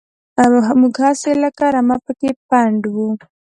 موږ هسې لکه رمه پکې پنډ وو.